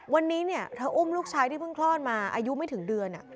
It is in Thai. วันนี้เธออุ้มลูกชายที่เพิ่งคลอดมาอายุไม่ถึงเดือน